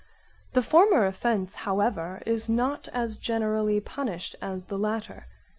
The former offence however is not as generally punished as the latter.